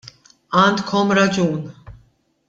Għandkom raġun.